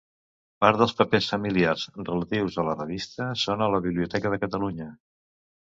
Part dels papers familiars relatius a la revista són a la Biblioteca de Catalunya.